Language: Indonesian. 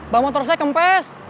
bang motor saya kempes